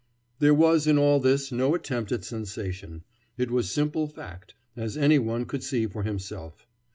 There was in all this no attempt at sensation. It was simple fact, as any one could see for himself.